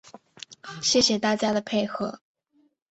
谢谢大家的配合